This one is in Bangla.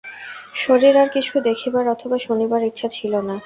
শশীর আর কিছু দেখিবার অথবা শুনিবার ইচ্ছা ছিল না।